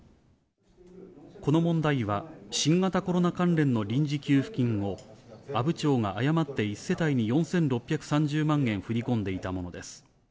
この問題は、新型コロナ関連の臨時給付金を、阿武町が誤って１世帯に４６３０万円振り込んでいたものです。